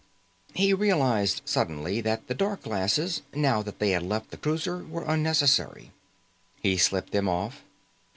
He realized suddenly that the dark glasses, now that they had left the cruiser, were unnecessary. He slipped them off.